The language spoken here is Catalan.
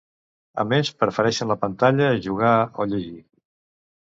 A més, prefereixen la pantalla a jugar o llegir.